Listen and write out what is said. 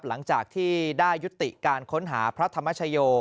หลังจากที่ได้ยุติการค้นหาพระธรรมชโย